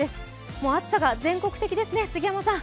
もう暑さが全国的ですね、杉山さん。